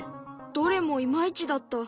どれもいまいちだった。